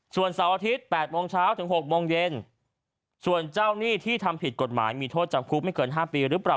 ส่วนเสาร์อาทิตย์๘โมงเช้าถึง๖โมงเย็นส่วนเจ้าหนี้ที่ทำผิดกฎหมายมีโทษจำคุกไม่เกิน๕ปีหรือเปล่า